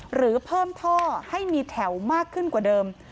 หรือเพิ่มท่อให้มีแถวมากขึ้นกว่าเดิม